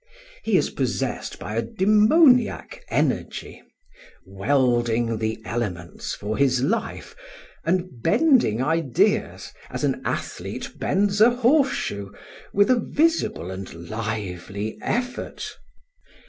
He is possessed by a demoniac energy, welding the elements for his life, and bending ideas, as an athlete bends a horseshoe, with a visible and lively effort.